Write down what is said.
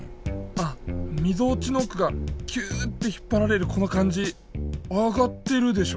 あみぞおちのおくがキューッて引っぱられるこのかんじあがってるでしょ！